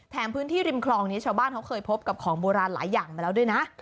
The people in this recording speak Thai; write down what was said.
พื้นที่ริมคลองนี้ชาวบ้านเขาเคยพบกับของโบราณหลายอย่างมาแล้วด้วยนะ